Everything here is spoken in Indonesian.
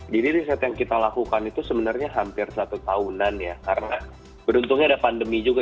riset yang kita lakukan itu sebenarnya hampir satu tahunan ya karena beruntungnya ada pandemi juga